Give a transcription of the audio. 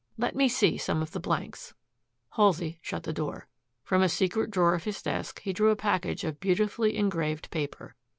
Let me see some of the blanks." Halsey shut the door. From a secret drawer of his desk he drew a package of beautifully engraved paper.